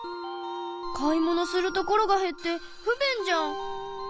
買い物する所が減って不便じゃん。